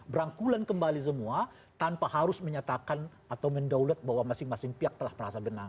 berangkulan kembali semua tanpa harus menyatakan atau mendaulat bahwa masing masing pihak telah merasa benang